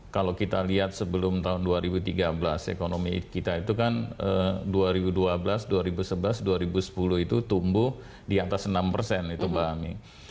kalau kita lihat sebelum tahun dua ribu tiga belas ekonomi kita itu kan dua ribu dua belas dua ribu sebelas dua ribu sepuluh itu tumbuh di atas enam persen itu mbak ami